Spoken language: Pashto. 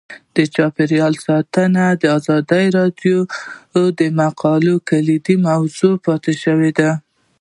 چاپیریال ساتنه د ازادي راډیو د مقالو کلیدي موضوع پاتې شوی.